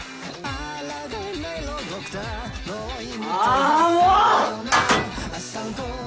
ああもう！